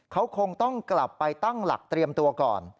เขาคงต้องกลับไปตั้งหลักเตรียมตัวก่อน